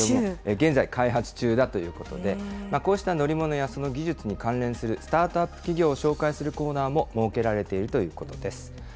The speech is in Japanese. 現在、開発中だということで、こうした乗り物やその技術に関連するスタートアップ企業を紹介するコーナーも設けられているということです。